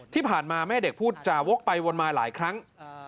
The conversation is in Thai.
ที่ผ่านมาแม่เด็กพูดจาวกไปวนมาหลายครั้ง